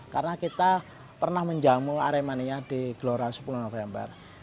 karena kita pernah menjamu aremania di gelora sepuluh november